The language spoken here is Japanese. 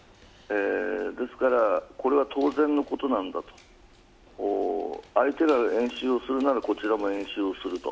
ですからこれは当然のことなんだと相手が演習をするならこちらも演習をすると。